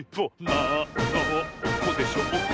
なんのこでしょうか？